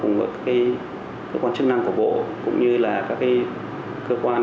cùng với các cái cơ quan chức năng của bộ cũng như là các cái cơ quan